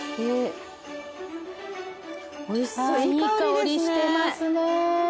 あいい香りしてますね。